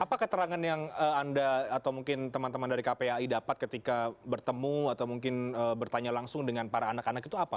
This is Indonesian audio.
apa keterangan yang anda atau mungkin teman teman dari kpai dapat ketika bertemu atau mungkin bertanya langsung dengan para anak anak itu apa